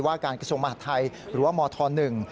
การกระทรวงมหาดไทยหรือว่ามธหนึ่ง